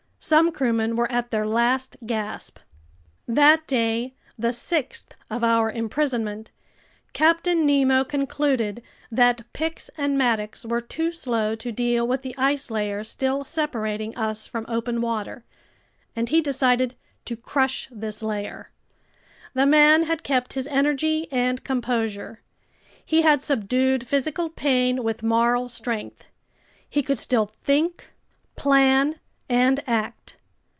Some crewmen were at their last gasp. That day, the sixth of our imprisonment, Captain Nemo concluded that picks and mattocks were too slow to deal with the ice layer still separating us from open water—and he decided to crush this layer. The man had kept his energy and composure. He had subdued physical pain with moral strength. He could still think, plan, and act.